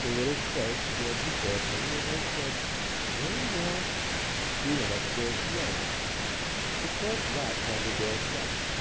The little clerk scanned me carefully and then said, "Very well." We went upstairs together. The clerk rapped on the door twice.